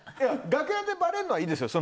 楽屋でばれるのはいいですよ。